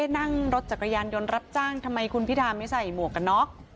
นั่งรถจักรยานยนต์รับจ้างทำไมคุณพิธาไม่ใส่หมวกกันน็อก